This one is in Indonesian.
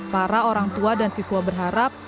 para orang tua dan siswa berharap